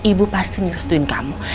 ibu pasti ngerestuin kamu